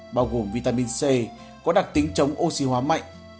bao gồm vitamin c có đặc tính chống oxy hóa mạnh